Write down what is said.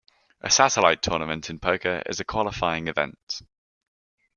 A satellite tournament in poker is a qualifying event.